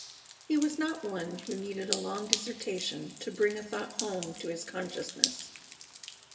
He was not one who needed a long dissertation to bring a thought home to his consciousness.